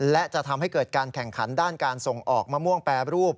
และจะทำให้เกิดการแข่งขันด้านการส่งออกมะม่วงแปรรูป